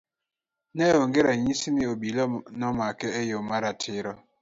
Ne onge ranyisi ni obila nomake e yo ma ratiro.